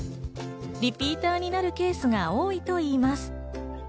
リピーターになるケースが多いといいます。